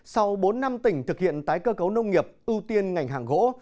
sau bốn năm tỉnh thực hiện tái cơ cấu nông nghiệp ưu tiên ngành hàng gỗ